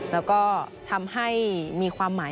แล้วก็ทำให้มีความหมาย